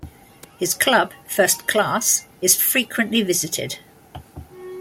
His club, "First Class", is frequently visited.